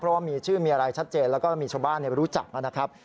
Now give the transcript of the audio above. เพราะว่ามีชื่อมีอะไรชัดเจนแล้วก็มีชาวบ้านรู้จักนะครับ